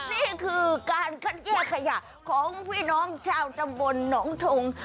นี่คือการคัดแยกขยะของพี่น้องชาวตำบลหนองทง